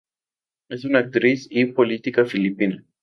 Es una actriz y política filipina.